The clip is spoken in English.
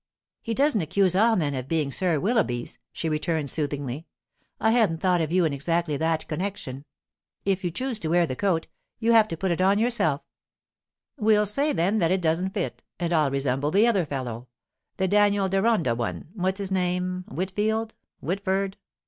'He doesn't accuse all men of being Sir Willoughbys,' she returned soothingly. 'I hadn't thought of you in exactly that connexion. If you choose to wear the coat, you have put it on yourself.' 'We'll say, then, that it doesn't fit, and I'll resemble the other fellow—the Daniel Deronda one—what's his name, Whitfield, Whitford?